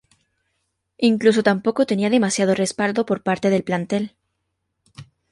Incluso tampoco tenía demasiado respaldo por parte del plantel.